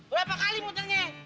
berapa kali muternya